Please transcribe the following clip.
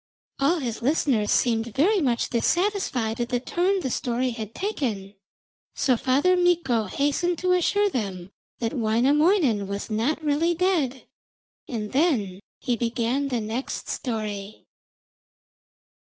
All his listeners seemed very much dissatisfied at the turn the story had taken, so Father Mikko hastened to assure them that Wainamoinen was not really dead, and then he began the next story.